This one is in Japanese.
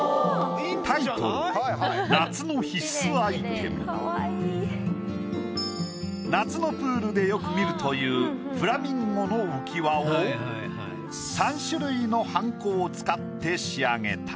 タイトル夏のプールでよく見るという３種類のはんこを使って仕上げた。